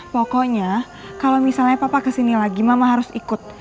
pokoknya kalau misalnya papa kesini lagi mama harus ikut